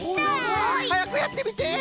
はやくやってみて！